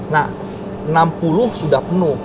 nah enam puluh sudah penuh